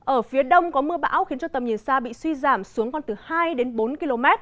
ở phía đông có mưa bão khiến cho tầm nhìn xa bị suy giảm xuống còn từ hai đến bốn km